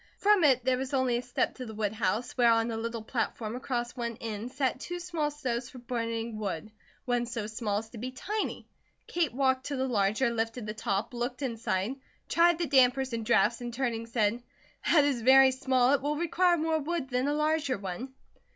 From it there was only a step to the woodhouse, where on a little platform across one end sat two small stoves for burning wood, one so small as to be tiny. Kate walked to the larger, lifted the top, looked inside, tried the dampers and drafts and turning said: "That is very small. It will require more wood than a larger one."